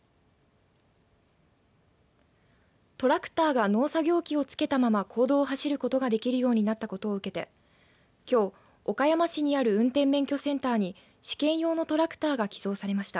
トラクターが農作業機をつけたまま公道を走ることができるようになったことを受けてきょう岡山市にある運転免許センターに試験用のトラクターが寄贈されました。